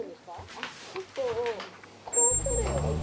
あっ結構こう撮るよりも。